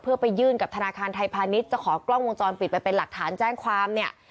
เพื่อไปยื่นกับธนาคารไทยพาณิชย์จะขอกล้องวงจรปิดไปเป็นหลักฐานแจ้งความเนี่ย